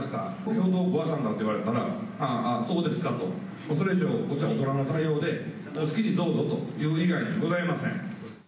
共闘ご破算なんて言われたら、ああ、そうですかと、それ以上、こっちはこっちは大人の対応で、好きにどうぞという以外にございません。